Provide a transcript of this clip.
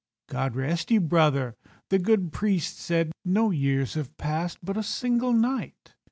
"God rest you, brother," the good priest said, "No years have passed—but a single night."